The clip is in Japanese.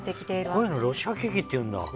こういうのロシアケーキって言うんだ。